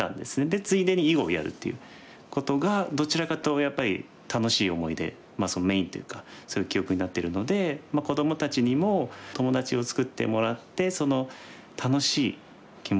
でついでに囲碁をやるっていうことがどちらかというとやっぱり楽しい思い出そのメインというかそういう記憶になってるのでさてカンカン先生の力強い味方からメッセージです。